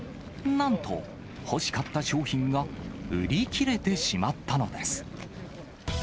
なんと、欲しかった商品が売り切れてしまったのです。